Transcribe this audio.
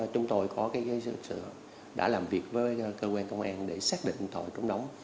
chúng tôi đã làm việc với cơ quan công an để xác định tội trốn đóng